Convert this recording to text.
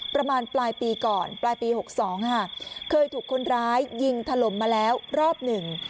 ประมาณปลายปีก่อนปลายปี๖๒ค่ะเคยถูกคนร้ายยิงถล่มมาแล้วรอบหนึ่ง